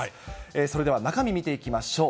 それでは中身見ていきましょう。